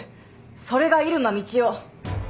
それが入間みちお。